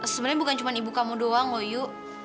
sebenarnya bukan cuma ibu kamu doang loh yu